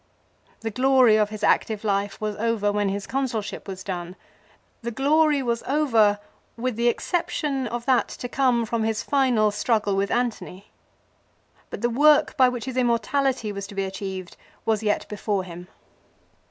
The glory of his active life was over when his Consulship was done, the glory was over with the ex ception of that to come from his final struggle with Antony. But the work by which his immortality was to be achieved was yet before him.